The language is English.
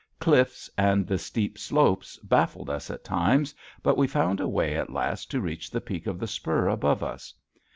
Cliffs and the steep slopes baffled us at times but we found a way at last to reach the peak of the spur above us.